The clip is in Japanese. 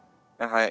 はい。